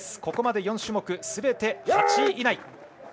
ここまで４種目すべて８位以内。